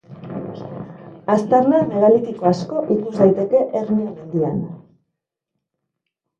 Aztarna megalitiko asko ikus daiteke Hernio mendian.